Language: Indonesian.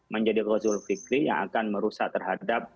menjadi khul fikri yang akan merusak terhadap